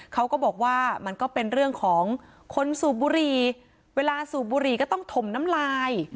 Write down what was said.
เขาก็บอกว่ามันก็เป็นเรื่องของคนสูบบุหรี่เวลาสูบบุหรี่ก็ต้องถมน้ำลาย